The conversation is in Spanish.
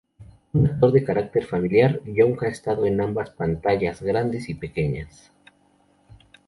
Un actor de carácter familiar, Young ha estado en ambas pantallas grandes y pequeñas.